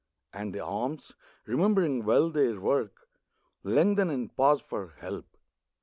" and the arms, remembering well their work, Lengthen and pause for help.